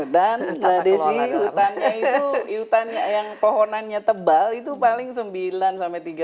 dan mbak desi hutan yang pohonannya tebal itu paling sembilan sampai tiga belas